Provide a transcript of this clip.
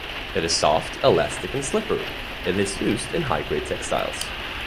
It is soft, elastic, and slippery, and is used in high-grade textiles.